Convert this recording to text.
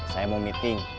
saya mau meeting